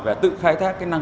và tự khai thác cái năng lực